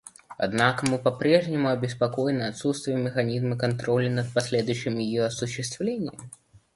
Однако мы попрежнему обеспокоены отсутствием механизма контроля над последующим ее осуществлением.